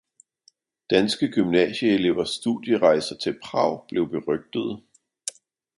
Danske gymnasieelevers studierejser til Prag blev berygtede.